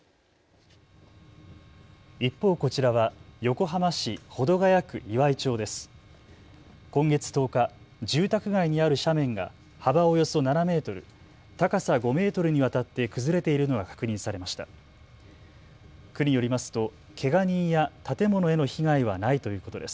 一方こちらは横浜市保土ケ谷区岩井町です。